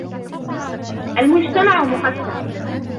المجتمع مقسم.